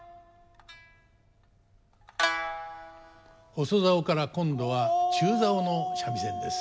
細棹から今度は中棹の三味線です。